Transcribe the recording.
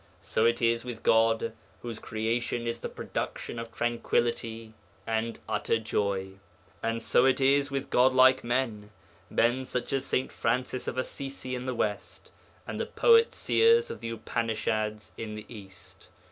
So it is with God, whose creation is the production of tranquillity and utter joy, and so it is with godlike men men such as St. Francis of Assisi in the West and the poet seers of the Upanishads in the East.